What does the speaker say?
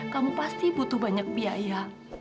kamu pasti butuh banyak biaya